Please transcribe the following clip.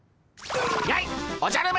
やいおじゃる丸！